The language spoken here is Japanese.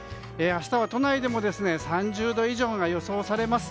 明日は都内でも３０度以上が予想されます。